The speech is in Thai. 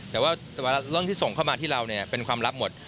แต่ว่าเรื่องที่ส่งเข้ามาที่เราเป็นความลับหมด